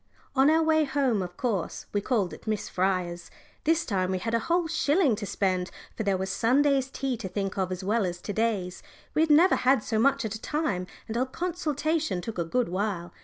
On our way home, of course, we called at Miss Fryer's this time we had a whole shilling to spend, for there was Sunday's tea to think of as well as to day's. We had never had so much at a time, and our consultation took a good while.